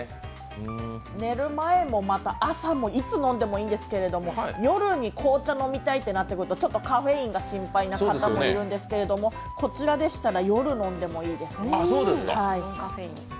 寝る前もまた、朝もいつ飲んでもいいんですけど夜に紅茶飲みたいってなってくるとちょっとカフェインが心配な方もいるんですけれども、こちらでしたら夜飲んでもいいですね。